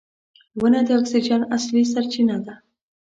• ونه د اکسیجن اصلي سرچینه ده.